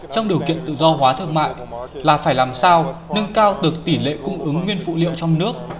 trong điều kiện tự do hóa thương mại là phải làm sao nâng cao được tỷ lệ cung ứng nguyên phụ liệu trong nước